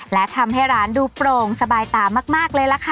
และทำให้ร้านดูโปร่งสบายตามากเลยล่ะค่ะ